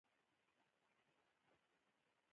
انډريو کارنګي د يوه عادي کارګر په څېر و.